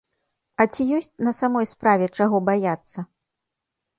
А ці ёсць на самой справе чаго баяцца?